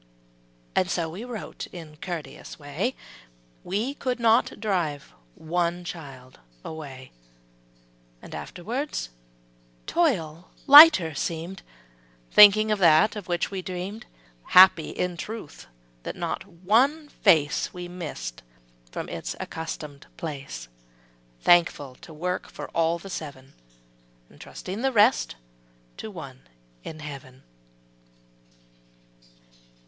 '' And so we wrote in courteous way, We could not drive one child away, And afterward, toil lighter seemed, Thinking of that of which we dreamed; Happy, in truth, that not one face We missed from its accustomed place; Thankful to work for all the seven, Trusting the rest to One in heaven!